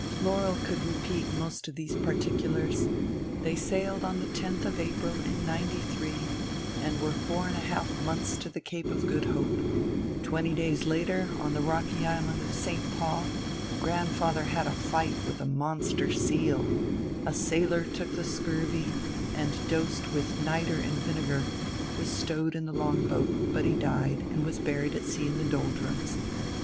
Laurel could repeat most of these particulars: They sailed on the tenth of April in 'ninety three, and were four and a half months to the Cape of Good Hope; twenty days later, on the rocky island of St. Paul, grandfather had a fight with a monster seal; a sailor took the scurvy, and, dosed with niter and vinegar, was stowed in the longboat, but he died and was buried at sea in the Doldrums.